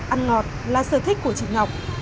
ăn ngọt là sở thích của chị ngọc